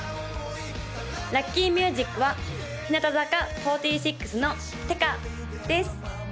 ・ラッキーミュージックは日向坂４６の「ってか」です